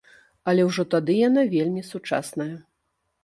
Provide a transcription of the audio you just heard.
Але ўжо тады яна вельмі сучасная.